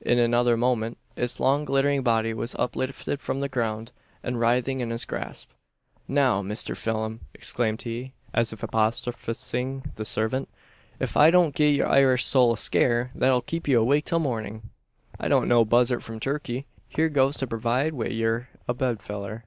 In another moment its long glittering body was uplifted from the ground, and writhing in his grasp. "Now, Mister Pheelum," exclaimed he, as if apostrophising the serpent, "ef I don't gi'e yur Irish soul a scare thet 'll keep ye awake till mornin', I don't know buzzart from turkey. Hyur goes to purvide ye wi' a bedfellur!"